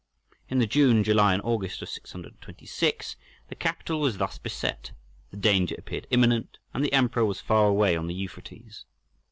In the June, July, and August of 626 the capital was thus beset: the danger appeared imminent, and the Emperor was far away on the Euphrates.